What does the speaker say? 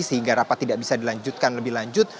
sehingga rapat tidak bisa dilanjutkan lebih lanjut